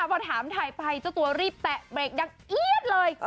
พอถามถ่ายไปเจ้าตัวรีบแตะเบรกดังเอี๊ยดเลย